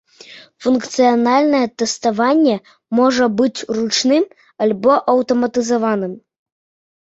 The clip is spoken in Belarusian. Функцыянальнае тэставанне можа быць ручным альбо аўтаматызаваным.